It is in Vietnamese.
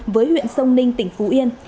với huyện sông ninh tỉnh phú yên